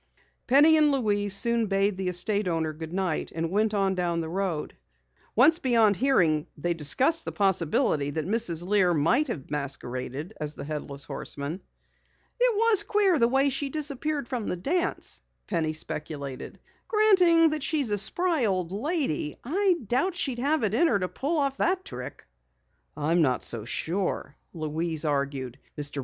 Penny and Louise soon bade the estate owner goodnight and went on down the road. Once beyond hearing they discussed the possibility that Mrs. Lear might have masqueraded as the Headless Horseman. "It was queer the way she disappeared from the dance," Penny speculated. "Granting that she's a spry old lady, I doubt she'd have it in her to pull off the trick." "I'm not so sure," Louise argued. "Mr.